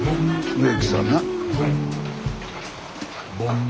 植木さんな。